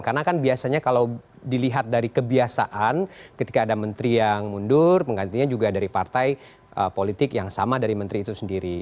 karena kan biasanya kalau dilihat dari kebiasaan ketika ada menteri yang mundur penggantinya juga dari partai politik yang sama dari menteri itu sendiri